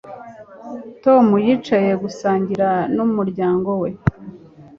Tom yicaye gusangira numuryango we